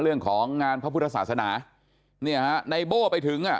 เรื่องของงานพระพุทธศาสนาเนี่ยฮะในโบ้ไปถึงอ่ะ